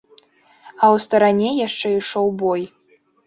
А ў старане яшчэ ішоў бой.